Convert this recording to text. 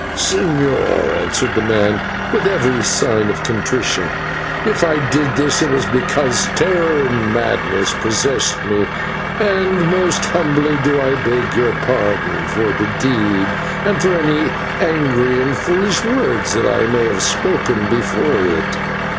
"Señor," answered the man with every sign of contrition, "if I did this it was because terror and madness possessed me, and most humbly do I beg your pardon for the deed, and for any angry and foolish words that I may have spoken before it.